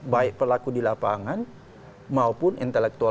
baik pelaku di lapangan maupun intelektual